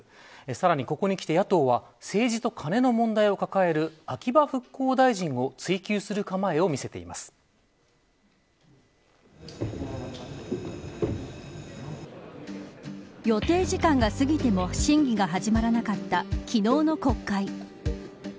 さらに、ここにきて野党は政治とカネの問題を抱える秋葉復興大臣を予定時間が過ぎても審議が始まらなかった昨日の国会。